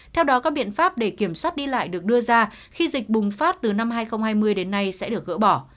theo đó các biện pháp để kiểm soát đi lại được đưa ra khi dịch bùng phát từ năm hai nghìn hai mươi đến nay sẽ được gỡ bỏ